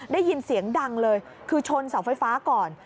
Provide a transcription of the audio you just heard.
ได้ยินเสียงดังเลยคือชนเสาไฟฟ้าก่อน